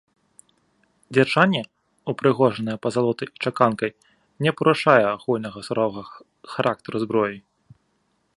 Дзяржанне, упрыгожанае пазалотай і чаканкай, не парушае агульнага суровага характару зброі.